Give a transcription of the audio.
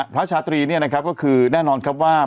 พระชาตรีก็คือแน่นอนครับว่า